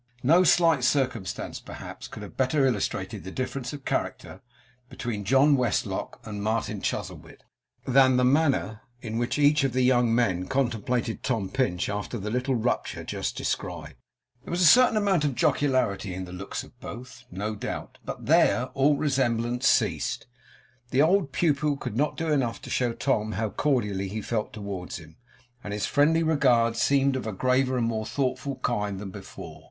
No slight circumstance, perhaps, could have better illustrated the difference of character between John Westlock and Martin Chuzzlewit, than the manner in which each of the young men contemplated Tom Pinch, after the little rupture just described. There was a certain amount of jocularity in the looks of both, no doubt, but there all resemblance ceased. The old pupil could not do enough to show Tom how cordially he felt towards him, and his friendly regard seemed of a graver and more thoughtful kind than before.